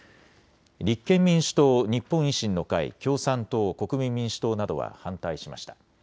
立憲民主党、日本維新の会、共産党、国民民主党などは反対しました。